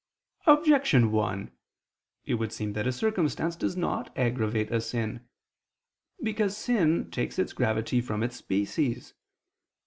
Objection 1: It would seem that a circumstance does not aggravate a sin. Because sin takes its gravity from its species.